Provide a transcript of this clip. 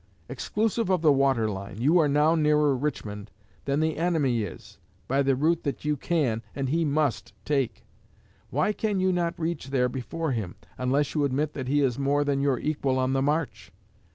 Exclusive of the water line, you are now nearer Richmond than the enemy is, by the route that you can and he must take. Why can you not reach there before him, unless you admit that he is more than your equal on the march?